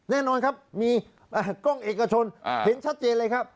แน่นอนครับมีกล้องเอกชนเห็นชัดเจนเลยครับ